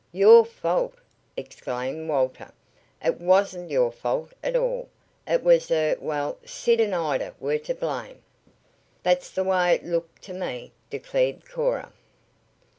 "Your fault!" exclaimed Walter. "It wasn't your fault at all. It was er well, Sid and Ida were to blame." "That's the way it looked to me," declared Cora.